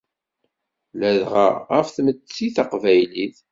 Ladɣa ɣef tmetti taqbaylit.